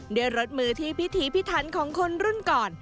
ด้วยรถมือที่พิธีพิทันของคนรุ่นก่อน